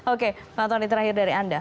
oke penonton ini terakhir dari anda